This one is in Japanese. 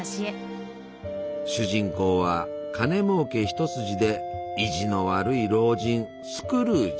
主人公は金もうけ一筋で意地の悪い老人スクルージ。